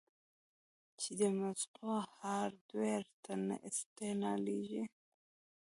چې د مزغو هارډوئېر ته انسټاليږي